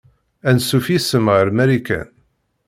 Anṣuf yes-m ɣer Marikan.